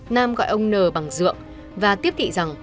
nam gọi ông nờ bằng dượng và tiếp thị rằng